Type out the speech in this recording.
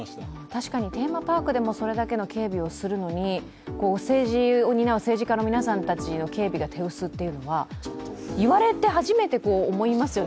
確かにテーマパークでもそれだけの警備をするのに政治を担う政治家の皆さんの警備というのは言われて初めて思いますよね。